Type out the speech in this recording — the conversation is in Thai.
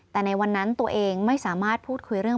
แต่ในวันนั้นตัวเองไม่สามารถพูดคุยเรื่อง